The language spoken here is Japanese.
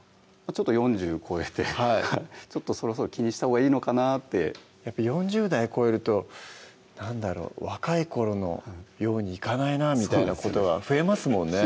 ちょっと４０超えてはいちょっとそろそろ気にしたほうがいいのかなってやっぱ４０代超えると何だろう若い頃のようにいかないなみたいなことは増えますもんね